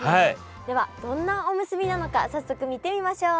ではどんなおむすびなのか早速見てみましょう！